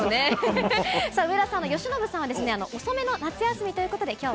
さあ、上田さん、由伸さんは、遅めの夏休みということで、きょうは。